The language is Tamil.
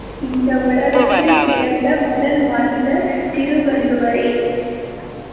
இந்த உலகத்தில் பிறந்த முதல் மனிதர் திருவள்ளுவரே.